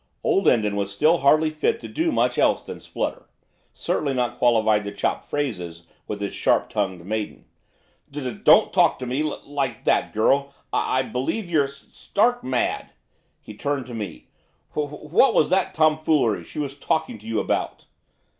Old Lindon was still hardly fit to do much else than splutter, certainly not qualified to chop phrases with this sharp tongued maiden. 'D don't talk to me li like that, girl! I I believe you're s stark mad!' He turned to me. 'W what was that tomfoolery she was talking to you about?